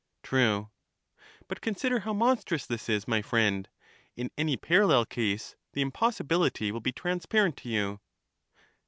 True. But consider how monstrous this is, my friend: in any parallel case, the impossibility will be transparent to you.